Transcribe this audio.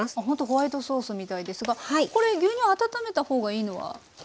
ほんとホワイトソースみたいですがこれ牛乳温めた方がいいのは？